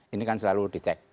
ini kan selalu dicek